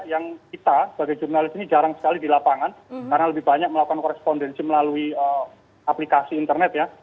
yang kita sebagai jurnalis ini jarang sekali di lapangan karena lebih banyak melakukan korespondensi melalui aplikasi internet ya